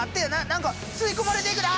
何か吸い込まれていくで！